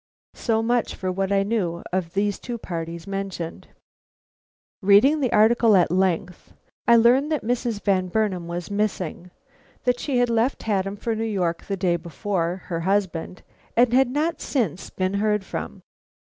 So much for what I knew of these two mentioned parties. Reading the article at length, I learned that Mrs. Van Burnam was missing; that she had left Haddam for New York the day before her husband, and had not since been heard from.